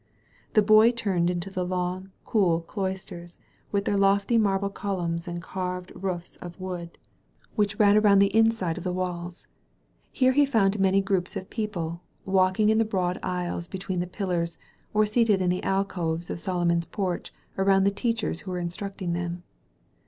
The Boy turned into the long, cool cloisters, with their lofly marble columns and carved roofs of wood, S97 THE VALLEY OF VISION which ran around the inside of the walls. Here he found many groups of people, walking in the broad aisles between the pillafs» or seated in the alcoves of Solomon's Porch around the teachers who were instructing them.